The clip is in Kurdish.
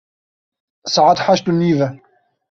Saet heşt û nîv e.